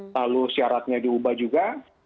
lalu syaratnya diubah juga